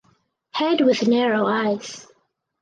Head with narrow eyes.